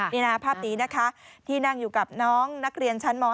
นี่นะภาพนี้นะคะที่นั่งอยู่กับน้องนักเรียนชั้นม๔